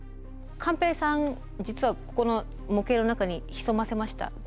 寛平さん実はここの模型の中に潜ませました。